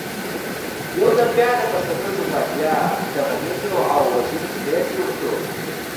یو ځل بیا د پښتنو جغرافیه د غمیزو او وژنو سټېج جوړ شو.